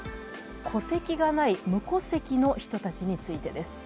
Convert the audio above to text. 戸籍がない無戸籍の人たちについてです。